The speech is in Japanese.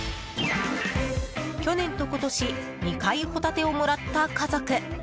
去年と今年２回ホタテをもらった家族。